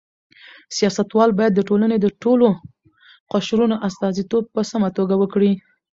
سیاستوال باید د ټولنې د ټولو قشرونو استازیتوب په سمه توګه وکړي.